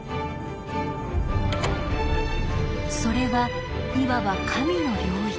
それはいわば「神の領域」。